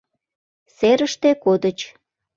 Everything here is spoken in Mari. Серыште кодыч.